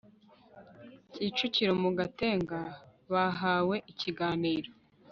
Kicukiro mu Gatenga bahawe ikiganiro